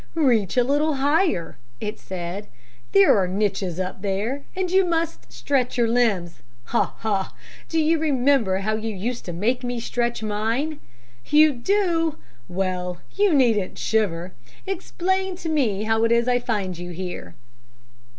"'Reach, a little higher,' it said; 'there are niches up there, and you must stretch your limbs. Ha! ha! Do you remember how you used to make me stretch mine? You do! Well, you needn't shiver. Explain to me how it is I find you here.'